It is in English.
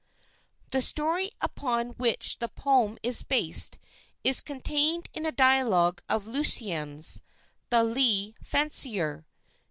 The story upon which the poem is based is contained in a dialogue of Lucian's, "The Lie fancier."